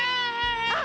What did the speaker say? あっ！